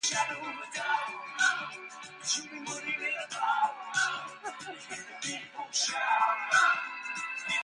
Each vehicle can hold two hotdoggers, and twelve people are chosen.